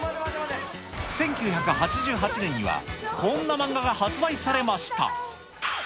１９８８年には、こんな漫画が発売されました。